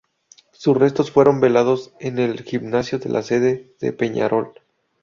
Sus restos fueron velados en el gimnasio de la sede de Peñarol.